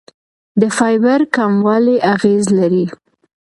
د فایبر کموالی اغېز لري.